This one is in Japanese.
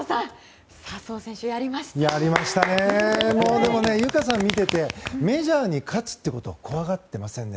でも優花さん見ててメジャーに勝つってことは怖がってませんね。